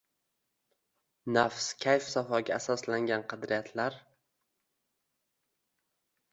Nafs, kayf-safoga asoslangan qadriyatlar